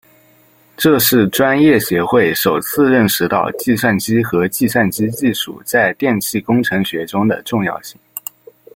这是专业协会首次认识到计算机和计算机技术在电气工程学中的重要性。